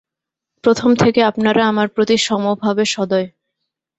প্রথম থেকে আপনারা আমার প্রতি সমভাবে সদয়।